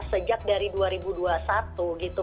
sejak dari dua ribu dua puluh satu gitu